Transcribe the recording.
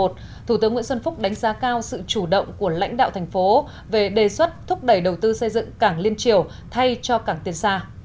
thủ tướng nguyễn xuân phúc đánh giá cao sự chủ động của lãnh đạo thành phố về đề xuất thúc đẩy đầu tư xây dựng cảng liên triều thay cho cảng tiên sa